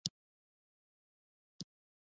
د ورځني ژوند څخه خوند اخیستل د خوښۍ راز دی.